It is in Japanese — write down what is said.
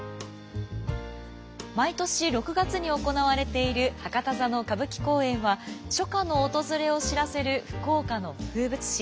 毎年６月に行われている博多座の歌舞伎公演は初夏の訪れを知らせる福岡の風物詩。